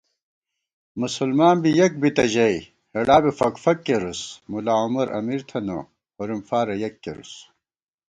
مسلمان بی یَک بِتہ ژَئی ہېڑا بی فَک فَک کېرُوس * ملا عمر امیر تھنہ ہورِم فارہ یک کېرُوس